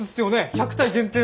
１００体限定の。